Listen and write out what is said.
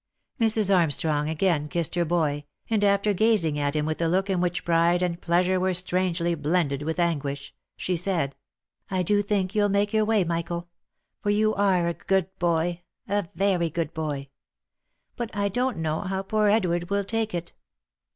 Mrs. Armstrong again kissed her boy, and after gazing at him with a look in which pride and pleasure were strangely blended with an guish, she said, " I do think you'll make your way, Michael — for you are a good boy, a very good boy. But I don't know how poor Edward will take it."